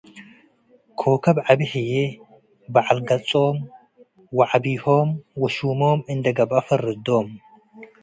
ኮከብ ዐቢ ህዬ በዐል ገጾም፡ ዐቢሆም ወሹሞም እንዴ ገብአ ፈርዶም።